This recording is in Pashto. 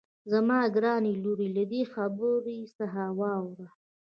زما ګرانې لورې له دې خبرې څخه واوړه.